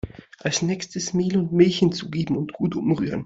Als nächstes Mehl und Milch hinzugeben und gut umrühren.